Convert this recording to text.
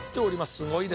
すごいですね。